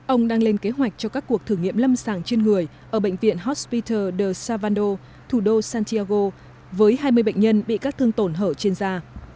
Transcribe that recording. ông đang lên kế hoạch cho các cuộc thử nghiệm lâm sàng trên người ở bệnh viện hospital de salvando thủ đô santiago với hai mươi bệnh nhân bị các thương tổn hở trên da